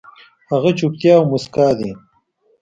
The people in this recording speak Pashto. هغه چوپتيا او موسکا دي